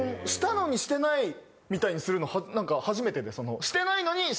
したのにしてないみたいにするのなんか初めてで、してないのに。